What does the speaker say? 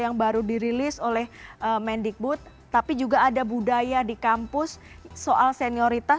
yang baru dirilis oleh mendikbud tapi juga ada budaya di kampus soal senioritas